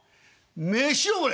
「飯を盛れ」。